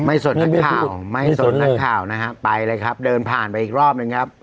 สนนักข่าวไม่สนนักข่าวนะฮะไปเลยครับเดินผ่านไปอีกรอบหนึ่งครับ